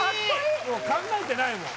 もう考えてないもん